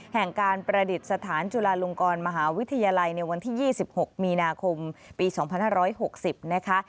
แห่งการประดิษฐานจุฬาลงกรมหาวิทยาลัยในวันที่๒๖มีนาคมปี๒๕๖๐นะคะ